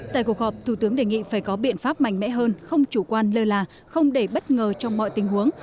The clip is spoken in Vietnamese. tại cuộc họp thủ tướng đề nghị phải có biện pháp mạnh mẽ hơn không chủ quan lơ là không để bất ngờ trong mọi tình huống